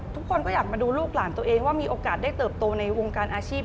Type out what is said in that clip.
ทุกคนก็อยากมาดูลูกหลานตัวเองว่ามีโอกาสได้เติบโตในวงการอาชีพ